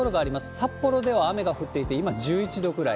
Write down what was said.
札幌では雨が降っていて、今１１度ぐらい。